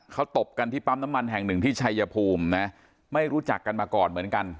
เขาตบกันที่ปั๊มน้ำมันแห่งหนึ่งที่ชัยภูมินะไม่รู้จักกันมาก่อนเหมือนกัน